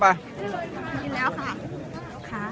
สวัสดีครับทุกคน